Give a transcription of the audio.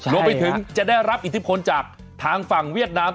รวมไปถึงจะได้รับอิทธิพลจากทางฝั่งเวียดนาม